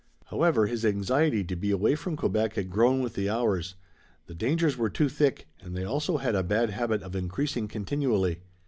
However, his anxiety to be away from Quebec had grown with the hours. The dangers were too thick, and they also had a bad habit of increasing continually.